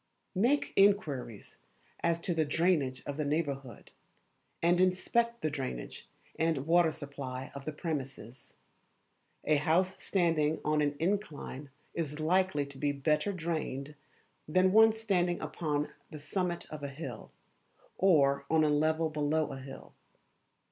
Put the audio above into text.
Make inquiries as to the drainage of the neighbourhood, and inspect the drainage and water supply of the premises. A house standing on an incline is likely to be better drained than one standing upon the summit of a hill, or on a level below a hill.